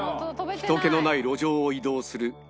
人けのない路上を移動する謎の物体